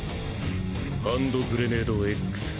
ハンドグレネードＸ。